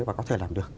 và có thể làm được